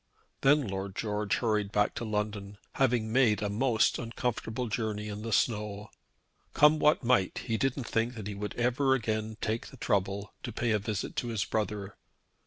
Then Lord George hurried back to London, having had a most uncomfortable journey in the snow. Come what might he didn't think that he would ever again take the trouble to pay a visit to his brother.